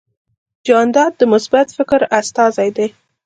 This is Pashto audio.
جانداد د مثبت فکر استازی دی.